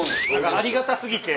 ありがた過ぎて。